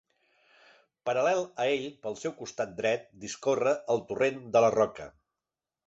Paral·lel a ell, pel seu costat dret, discorre el torrent de la Roca.